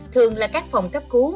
thường là các phòng cấp cứu